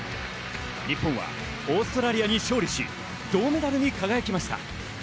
日本はオーストラリアに勝利し銅メダルに輝きました。